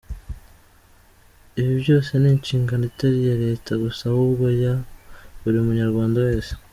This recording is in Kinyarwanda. Ibi byose ni inshingano itari iya leta gusa ahubwo ya buri munyarwanda wese.